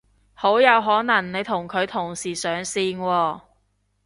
好有可能你同佢同時上線喎